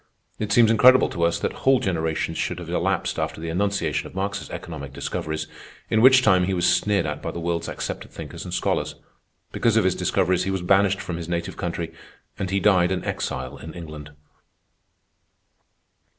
It seems incredible to us that whole generations should have elapsed after the enunciation of Marx's economic discoveries, in which time he was sneered at by the world's accepted thinkers and scholars. Because of his discoveries he was banished from his native country, and he died an exile in England.